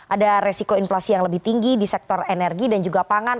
ada resiko inflasi yang lebih tinggi di sektor energi dan juga pangan